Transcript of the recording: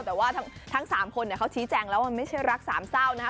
แต่ว่าทั้ง๓คนเขาชี้แจงแล้วมันไม่ใช่รักสามเศร้านะคะ